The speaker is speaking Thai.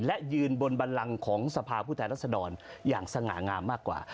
และยืนบนบันลังของสภาพผู้แทนรัศดรอย่างสง่างามมากกว่า